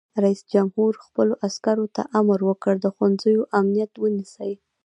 رئیس جمهور خپلو عسکرو ته امر وکړ؛ د ښوونځیو امنیت ونیسئ!